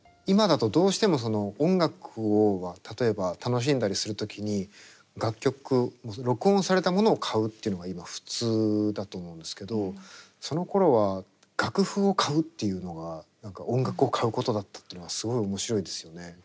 今だとどうしても音楽を例えば楽しんだりする時に楽曲録音されたものを買うっていうのが今普通だと思うんですけどそのころは楽譜を買うっていうのが何か音楽を買うことだったっていうのがすごい面白いですよね。